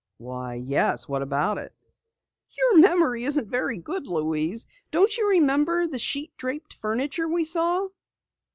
"Why, yes, what about it?" "Your memory isn't very good, Louise. Don't you remember the sheet draped furniture we saw?"